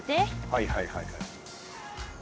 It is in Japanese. はいはいはいはい。